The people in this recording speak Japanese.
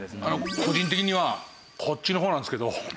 個人的にはこっちの方なんですけど。